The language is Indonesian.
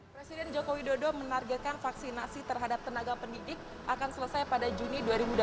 presiden joko widodo menargetkan vaksinasi terhadap tenaga pendidik akan selesai pada juni dua ribu dua puluh satu